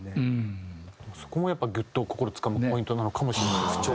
そこもグッと心をつかむポイントなのかもしれないですね。